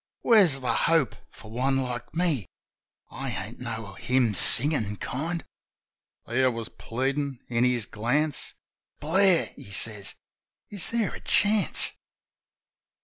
... Where's the hope for one like me? I ain't no hymn singin' kind." There was pleadin' in his glance: "Blair," he says, "is there a chance?"